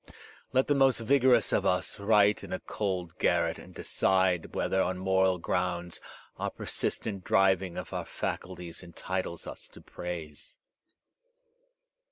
Let the most vigorous of us write in a cold garret and decide whether, on moral grounds, our persistent driving of our faculties entitles us to praise.